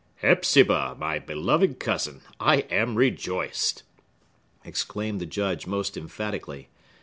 "Hepzibah, my beloved cousin, I am rejoiced!" exclaimed the Judge most emphatically.